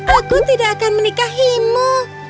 aku tidak akan menikahimu